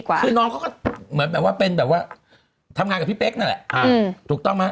มันเหมือนว่าเป็นแบบว่าทำงานกับพี่เป๊กนั่นแหละ